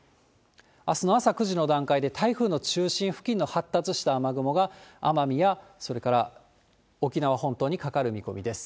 あすの朝９時の段階で、台風の中心付近の発達した雨雲が、奄美や、それから沖縄本島にかかる見込みです。